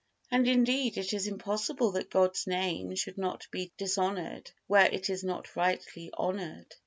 And indeed it is impossible that God's Name should not be dishonored where it is not rightly honored.